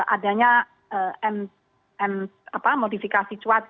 adanya modifikasi cuaca